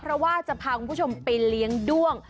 เพราะว่าจะพาคุณผู้ชมไปเลี้ยงด้วง